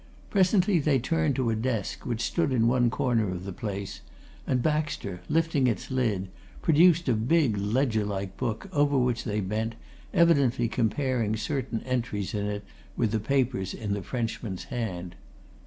Presently they turned to a desk which stood in one corner of the place, and Baxter, lifting its lid, produced a big ledger like book, over which they bent, evidently comparing certain entries in it with the papers in the Frenchman's hand.